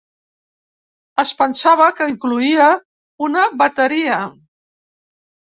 Es pensava que incloïa una bateria.